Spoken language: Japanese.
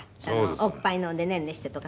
「おっぱいのんでねんねして」とか。